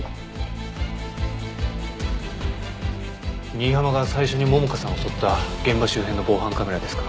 新浜が最初に桃香さんを襲った現場周辺の防犯カメラですか。